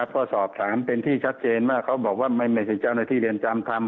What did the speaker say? ก็สอบถามเป็นที่ชัดเจนว่าเขาบอกว่าไม่ใช่เจ้าหน้าที่เรือนจำทำ